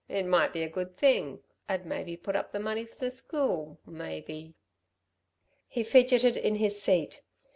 it might be a good thing, I'd maybe put up the money for the school maybe " He fidgeted in his seat.